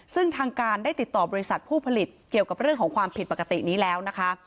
ซึ่งทางการได้ติดต่อบริษัทผู้ผลิตเกี่ยวกับเรื่องของความผิดปกตินี้แล้วนะคะ